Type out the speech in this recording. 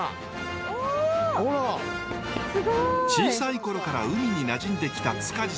小さい頃から海になじんできた塚地さん。